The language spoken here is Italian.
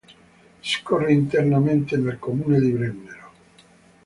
Scorre interamente nel comune di Brennero.